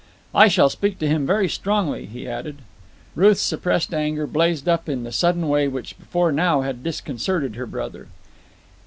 "I shall speak to him very strongly," he added. Ruth's suppressed anger blazed up in the sudden way which before now had disconcerted her brother.